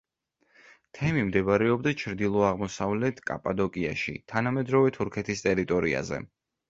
თემი მდებარეობდა ჩრდილო-აღმოსავლეთ კაპადოკიაში, თანამედროვე თურქეთის ტერიტორიაზე.